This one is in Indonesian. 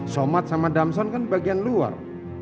somad sama damson kan bagian luar